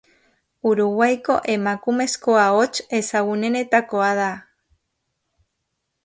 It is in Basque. Uruguaiko emakumezko ahots ezagunenetakoa da.